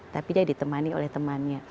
tapi dia ditemani oleh temannya